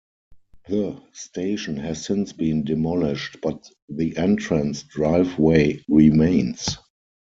The station has since been demolished but the entrance driveway remains.